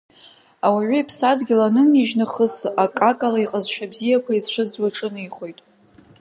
Ауаҩы иԥсадгьыл анынижь нахыс акакала иҟазшьа бзиақәа ицәыӡуа иҿынеихоит.